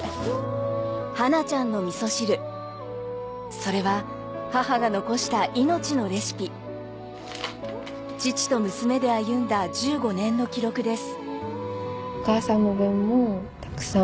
それは母が残した命のレシピ父と娘で歩んだ１５年の記録です